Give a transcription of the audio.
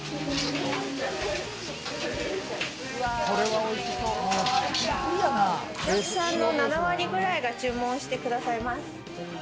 お客さんの７割くらいが注文してくださいます。